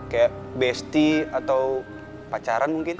kayak besti atau pacaran mungkin